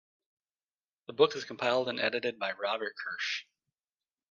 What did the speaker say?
The book is compiled and edited by Robert Kirsch.